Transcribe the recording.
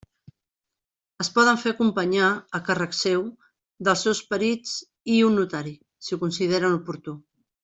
Es poden fer acompanyar, a càrrec seu, dels seus perits i un notari, si ho consideren oportú.